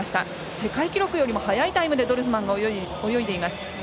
世界記録よりも速いタイムでドルスマンが泳いでいます。